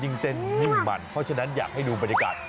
เต้นยิ่งมันเพราะฉะนั้นอยากให้ดูบรรยากาศ